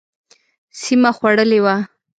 سیمه خوړلې وه.